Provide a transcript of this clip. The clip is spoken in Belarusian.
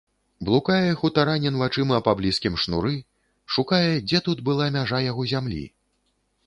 Блукае хутаранін вачыма па блізкім шнуры, шукае, дзе тут была мяжа яго зямлі.